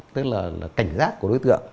tức là cảnh giác của đối tượng